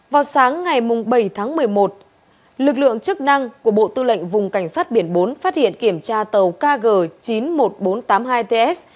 vào sáng ngày bảy tháng một mươi một lực lượng chức năng của bộ tư lệnh vùng cảnh sát biển bốn phát hiện kiểm tra tàu kg chín mươi một nghìn bốn trăm tám mươi hai ts